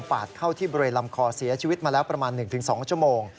ปาดเข้าที่บริเวณลำคอเสียชีวิตมาแล้วประมาณ๑๒ชั่วโมง